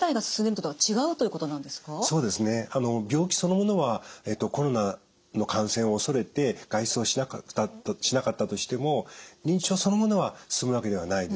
病気そのものはコロナの感染を恐れて外出をしなかったとしても認知症そのものは進むわけではないです。